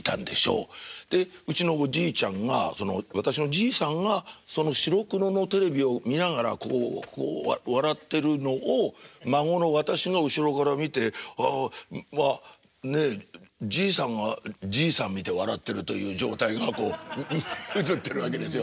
でうちのおじいちゃんがその私のじいさんがその白黒のテレビを見ながらこう笑ってるのを孫の私が後ろから見てああわっねえじいさんがじいさん見て笑ってるという状態がこう映ってるわけですよ。